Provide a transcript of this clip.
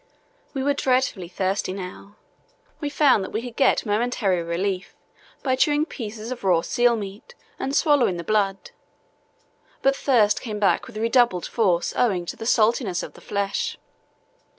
We were dreadfully thirsty now. We found that we could get momentary relief by chewing pieces of raw seal meat and swallowing the blood, but thirst came back with redoubled force owing to the saltness of the flesh.